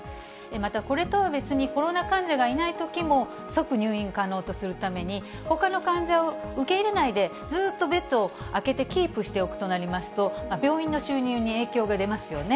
また、これとは別に、コロナ患者がいないときも即入院可能とするために、ほかの患者を受け入れないでずっとベッドを空けてキープしておくということになりますと、病院の収入に影響が出ますよね。